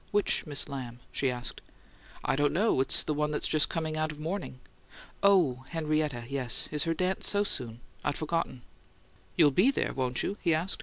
Which Miss Lamb?" she asked. "I don't know it's the one that's just coming out of mourning." "Oh, Henrietta yes. Is her dance so soon? I'd forgotten." "You'll be there, won't you?" he asked.